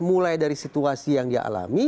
mulai dari situasi yang dia alami